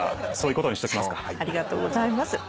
ありがとうございます。